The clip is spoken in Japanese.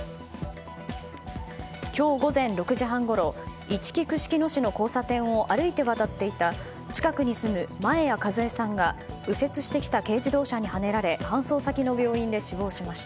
今日午前６時半ごろいちき串木野市の交差点を歩いて渡っていた近くに住む前屋カズエさんが右折してきた軽自動車にはねられ搬送先の病院で死亡しました。